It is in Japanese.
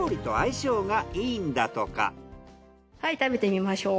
はい食べてみましょう。